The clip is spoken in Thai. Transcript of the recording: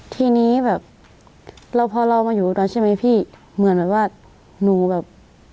ทีนี้แบบเราพอเรามาอยู่กับเราใช่ไหมพี่เหมือนแบบว่าหนูแบบ